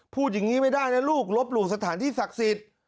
พูดอย่างนี้ไม่ได้นะลูกลบหลู่สถานที่ศักดิ์สิทธิ์